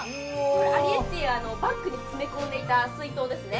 これアリエッティがバッグに詰め込んでいた水筒ですね